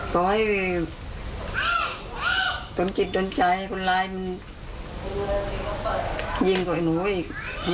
ก็ให้ทุนจิตทนใจคนไรมันยิงต่อไอ้หนูอีก